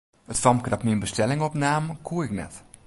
It famke dat myn bestelling opnaam, koe ik net.